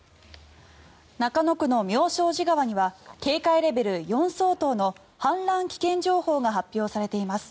中野区の妙正寺川には警戒レベル４相当の氾濫危険情報が発表されています。